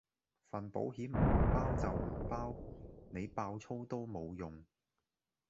份保險唔包就唔包，你爆粗都冇用